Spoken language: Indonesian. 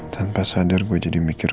tanpa sadar gue jadi mikir